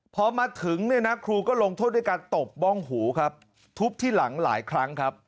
พอมาถึงครูก็ลงโทษด้วยการตบม้องหูทุบที่หลังหลายครั้ง